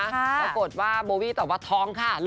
ปรากฏว่าโบวี่ตอบว่าท้องค่ะ